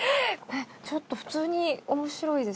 ちょっと普通に面白いですね。